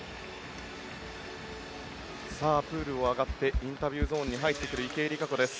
プールを上がってインタビューゾーンに入ってくる池江璃花子です。